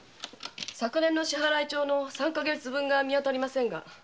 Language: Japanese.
昨年の支払い帳の三か月分が見当たりませんが？